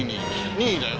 任意だよ。